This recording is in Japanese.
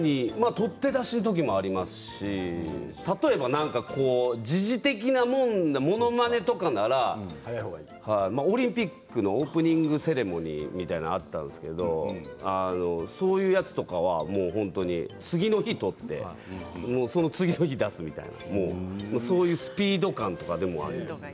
撮って出しの時もありますし例えば一時的なものものまねとかならオリンピックのオープニングセレモニーみたいなのがあったんですけどそういうやつとかは次の日に撮ってその次の日に出すみたいなそういうスピード感みたいなものもありますね。